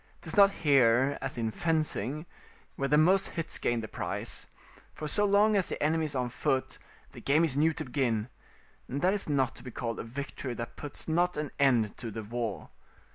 'Tis not here, as in fencing, where the most hits gain the prize; for so long as the enemy is on foot, the game is new to begin, and that is not to be called a victory that puts not an end to the war.